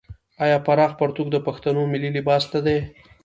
آیا پراخ پرتوګ د پښتنو ملي لباس نه دی؟